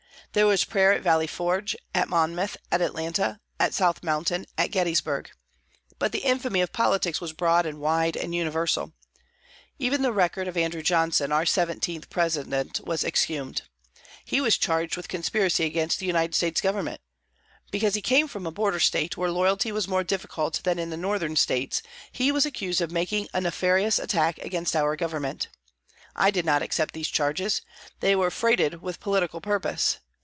There was prayer at Valley Forge, at Monmouth, at Atlanta, at South Mountain, at Gettysburg. But the infamy of politics was broad and wide, and universal. Even the record of Andrew Johnson, our seventeenth President, was exhumed. He was charged with conspiracy against the United States Government. Because he came from a border State, where loyalty was more difficult than in the Northern States, he was accused of making a nefarious attack against our Government. I did not accept these charges. They were freighted with political purpose.